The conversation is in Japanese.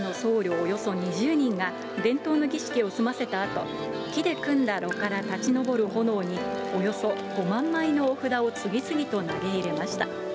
およそ２０人が、伝統の儀式を済ませたあと、木で組んだ炉から立ち上る炎におよそ５万枚のお札を次々と投げ入れました。